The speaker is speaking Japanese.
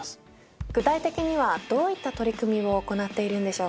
具体的にはどういった取り組みを行っているんでしょうか？